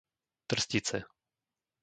Trstice